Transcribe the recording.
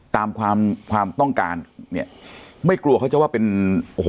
ตามความความต้องการเนี่ยไม่กลัวเขาจะว่าเป็นโอ้โห